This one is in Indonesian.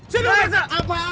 sini berasa apaan lu